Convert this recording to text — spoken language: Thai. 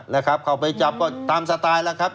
นะครับเข้าไปจับก็ตามสไตล์แล้วครับ